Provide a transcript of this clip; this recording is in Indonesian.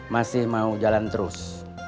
masih mau jalan terus